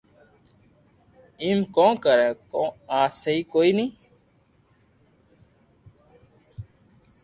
ايم ڪو ڪري ڪو آ سھي ڪوئي ني